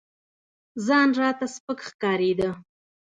ځان راته سپك ښكارېده.